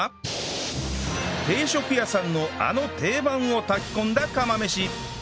定食屋さんのあの定番を炊き込んだ釜飯